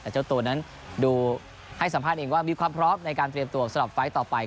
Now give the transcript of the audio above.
แต่เจ้าตัวนั้นดูให้สัมภาษณ์เองว่ามีความพร้อมในการเตรียมตัวสำหรับไฟล์ต่อไป